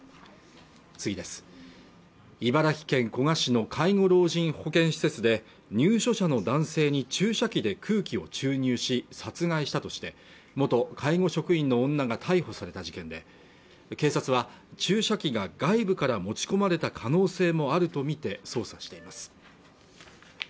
茨城県古河市の介護老人保健施設で入所者の男性に注射器で空気を注入し殺害したとして元介護職員の女が逮捕された事件で警察は注射器が外部から持ち込まれた可能性もあるとみて捜査しています